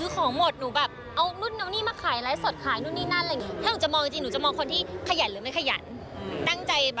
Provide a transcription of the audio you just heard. ขอบคุณนะครับ